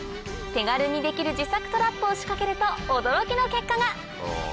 手軽にできる自作トラップを仕掛けると驚きの結果が！